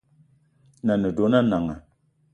Nan’na a ne dona Nanga